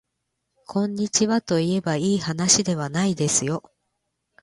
こんにちはといえばいいはなしではないですよ